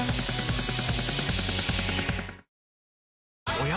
おや？